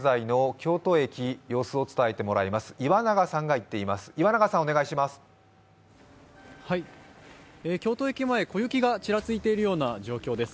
京都駅前、小雪がちらついているような状況です。